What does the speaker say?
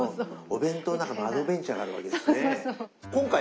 お弁当の中もアドベンチャーがあるわけですね。